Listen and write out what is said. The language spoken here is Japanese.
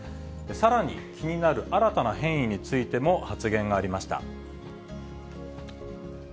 さらに、気になる新たな変異についても発言がありました。